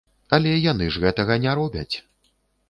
Але яны ж гэтага не робяць.